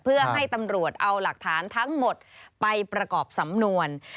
เพื่อให้ตำรวจเอาหลักฐานทั้งหมดไปประกอบสำนวน